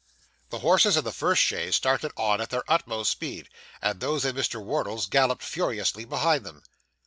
The horses in the first chaise started on at their utmost speed; and those in Mr. Wardle's galloped furiously behind them.